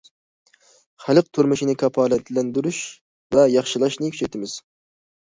خەلق تۇرمۇشىنى كاپالەتلەندۈرۈش ۋە ياخشىلاشنى كۈچەيتىمىز.